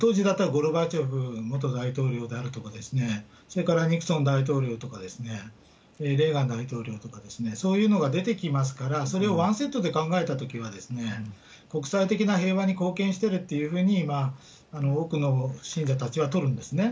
ゴルバチョフ元大統領であるとかですね、それからニクソン大統領とかですね、レーガン大統領とかですね、そういうのが出てきますから、それをワンセットで考えたときは、国際的な平和に貢献してるっていうふうに、多くの信者たちは取るんですね。